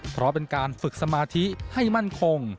เพราะเป็นการฝึกสมาธิให้มั่นคง